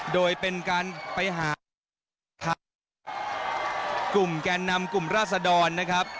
โดยเป็นการไปหาทางกลุ่มแกนนำกลุ่มราศดรนะครับ